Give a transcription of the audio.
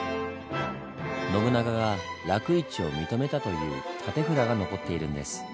信長が楽市を認めたという立て札が残っているんです。